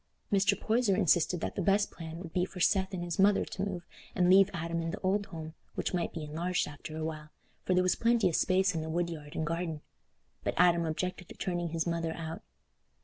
Mr. Poyser insisted that the best plan would be for Seth and his mother to move and leave Adam in the old home, which might be enlarged after a while, for there was plenty of space in the woodyard and garden; but Adam objected to turning his mother out.